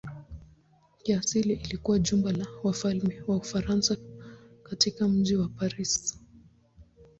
Kiasili ilikuwa jumba la wafalme wa Ufaransa katika mji wa Paris.